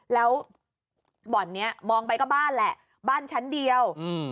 แล้วบ่อนนี้มองไปก็บ้านแหละบ้านชั้นเดียวอืม